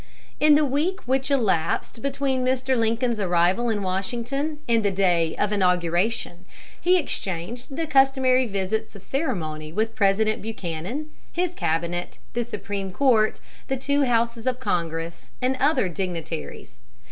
In the week which elapsed between Mr. Lincoln's arrival in Washington and the day of inauguration, he exchanged the customary visits of ceremony with President Buchanan, his cabinet, the Supreme Court, the two Houses of Congress, and other dignitaries.